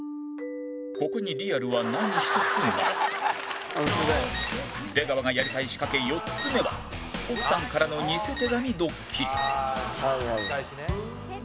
ここに出川がやりたい仕掛け４つ目は奥さんからの偽手紙ドッキリ